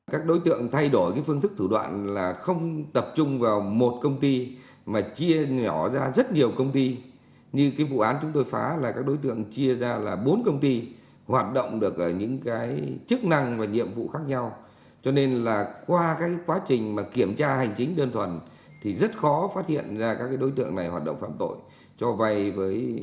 các đối tượng thay đổi phương thức thủ đoạn là không tập trung vào một công ty mà chia nhỏ ra rất nhiều công ty như vụ án chúng tôi phá là các đối tượng chia ra là bốn công ty hoạt động được ở những chức năng và nhiệm vụ khác nhau cho nên là qua quá trình kiểm tra hành chính đơn thuần thì rất khó phát hiện ra các đối tượng này hoạt động phạm tội cho vay với các công ty